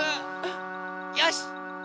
よし！